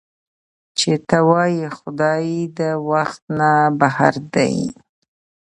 چې تۀ وائې خدائے د وخت نه بهر دے